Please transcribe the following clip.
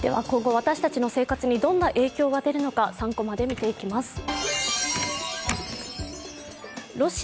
今後私たちの生活にどんな影響が出るのか３コマで見ていきます。